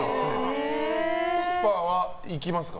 スーパーは行きますか？